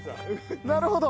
なるほど。